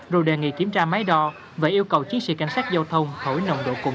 rồi đề nghị kiểm tra máy đo và yêu cầu chiến sĩ cảnh sát giao thông thổi nồng độ cồn